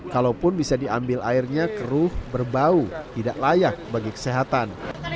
kalaupun bisa diambil airnya keruh berbau tidak layak bagi kesehatan